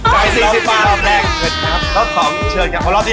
ใจสิ้นปลาลอีกรอบแรกนะครับแล้วขอเชิญกันเพราะรอบที่๕